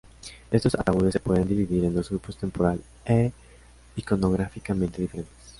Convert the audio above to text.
Estos ataúdes se pueden dividir en dos grupos temporal e iconográficamente diferentes.